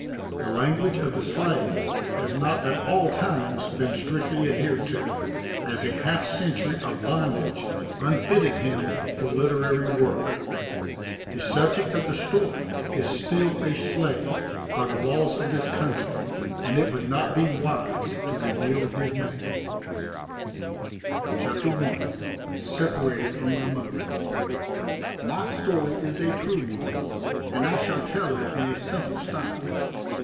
The language of the slave has not at all times been strictly adhered to, as a half century of bondage unfitted him for literary work. The subject of the story is still a slave by the laws of this country, and it would not be wise to reveal his name. FIFTY YEARS IN CHAINS OR, THE LIFE OF AN AMERICAN SLAVE. CHAPTER I. SEPARATED FROM MY MOTHER. My story is a true one, and I shall tell it in a simple style.